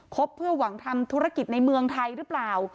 บเพื่อหวังทำธุรกิจในเมืองไทยหรือเปล่า